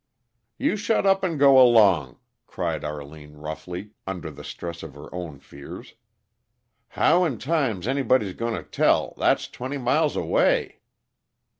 "You shut up and go along!" cried Arline roughly, under the stress of her own fears. "How in time's anybody going to tell, that's twenty miles away?"